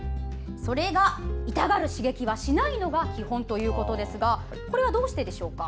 それが、痛がる刺激はしないのが基本ということですがこれはどうしてでしょうか？